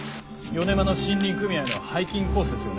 米麻の森林組合のハイキングコースですよね？